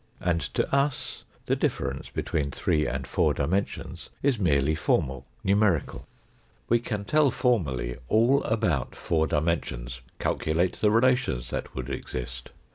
And to us the difference between three and four dimensions is merely formal, numerical. We can tell formally all about four dimensions, calculate the relations that would exist.